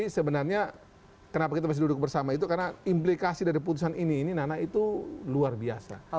sebenarnya kenapa kita masih duduk bersama itu karena implikasi dari putusan ini ini nana itu luar biasa